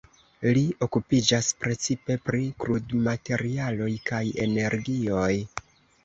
Li okupiĝas precipe pri krudmaterialoj kaj energioj.